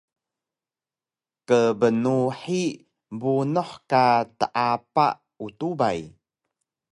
Kbnuhi bunuh ka teapa utubay